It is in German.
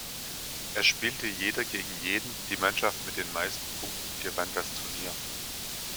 Es spielte jeder gegen jeden, die Mannschaft mit den meisten Punkten gewann das Turnier.